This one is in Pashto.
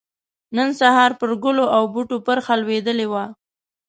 نن سحار پر ګلو او بوټو پرخه لوېدلې وه